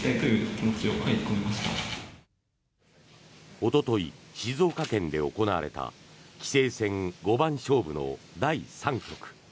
おととい、静岡県で行われた棋聖戦五番勝負の第３局。